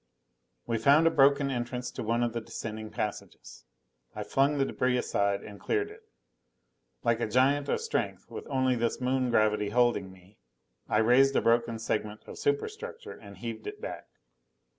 We found a broken entrance to one of the descending passages. I flung the debris aside and cleared it. Like a giant of strength with only this Moon gravity holding me, I raised a broken segment of superstructure and heaved it back.